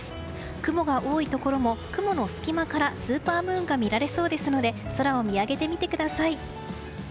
雲が多いところも雲の隙間からスーパームーンが見られそうなので空を見上げてみてください。